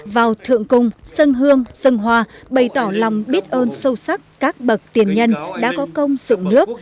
vào thượng cung sân hương sân hoa bày tỏ lòng biết ơn sâu sắc các bậc tiền nhân đã có công dựng nước